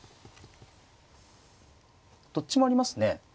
どっちもありますね。